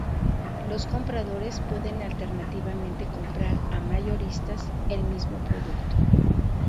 Los compradores pueden alternativamente comprar a mayoristas el mismo producto.